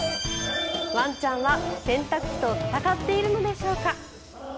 ワンちゃんは洗濯機と戦っているのでしょうか。